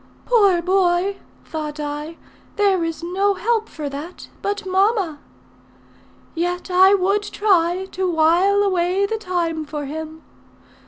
'Poor boy!' thought I, 'there is no help for that but mamma.' Yet I would try to while away the time for him.